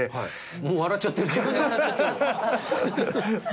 もう笑っちゃってる自分で笑っちゃってるよ。